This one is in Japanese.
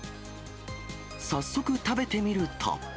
早速食べてみると。